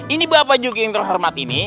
ini bapak juga yang terhormat ini